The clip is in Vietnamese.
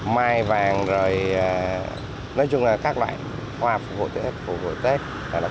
mai vàng rồi nói chung là các loại hoa phục vụ tết